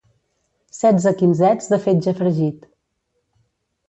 setze quinzets de fetge fregit